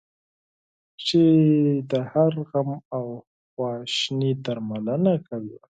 چې د هر غم او خواشینی درملنه کوي.